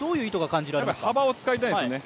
幅を使いたいんですよね。